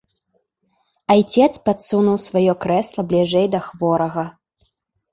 Айцец падсунуў сваё крэсла бліжэй да хворага.